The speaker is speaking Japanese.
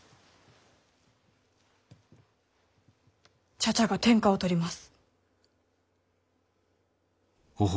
茶々が天下を取ります。